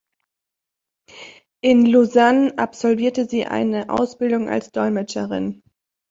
In Lausanne absolvierte sie eine Ausbildung als Dolmetscherin.